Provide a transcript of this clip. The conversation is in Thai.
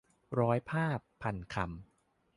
ร้อยภาพ-พันคำ